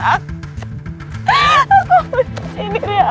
aku benci diri aku